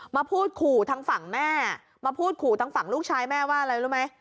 มาพูดขู่ทางฝั่งแม่มาพูดขู่ทางฝั่งลูกชายแม่ว่าอะไรรู้ไหม